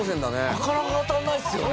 なかなか当たんないっすよね。